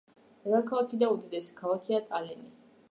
დედაქალაქი და უდიდესი ქალაქია ტალინი.